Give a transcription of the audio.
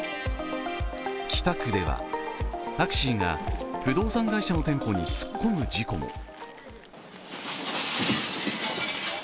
北区ではタクシーが不動産会社の店舗に突っ込む事故も。